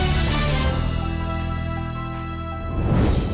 เติม